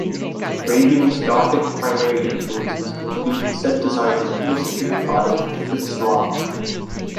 Raygun Gothic's primary influences include the set designs of Kenneth Strickfaden and Fritz Lang.